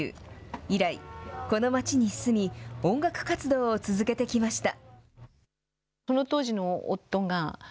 以来、この街に住み、音楽活動を続けてきました。